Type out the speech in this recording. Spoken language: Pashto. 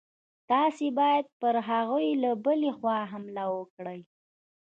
تاسي باید پر هغوی له بلې خوا حمله وکړئ.